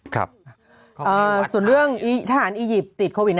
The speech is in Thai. ครับส่วนเรื่องทหารอียิปต์ติดโควิด